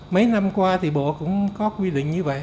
mấy năm qua thì bộ cũng có quy định như vậy